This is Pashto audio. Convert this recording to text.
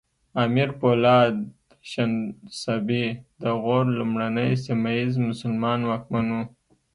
امیر پولاد شنسبی د غور لومړنی سیمه ییز مسلمان واکمن و